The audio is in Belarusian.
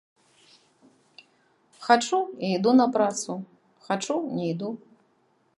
Хачу і іду на працу, хачу не іду.